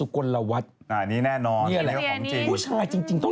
คิดตัวเองด้วยก่อน